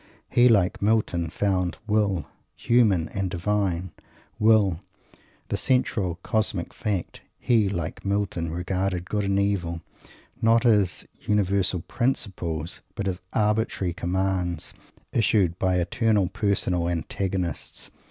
He, like Milton, found Will human and divine Will the central cosmic fact. He, like Milton, regarded Good and Evil, not as universal principles, but as arbitrary commands, issued by eternal personal antagonists!